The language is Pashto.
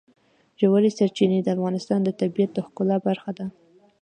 ژورې سرچینې د افغانستان د طبیعت د ښکلا برخه ده.